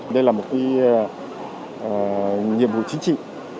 đây là một nhiệm vụ chính trị